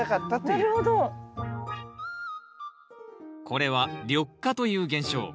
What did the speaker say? これは緑化という現象。